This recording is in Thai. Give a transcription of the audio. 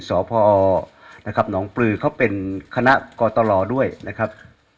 สพนปลือเขาเป็นคณะกตลอด้วยนะครับ